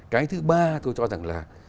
cái thứ ba tôi cho rằng là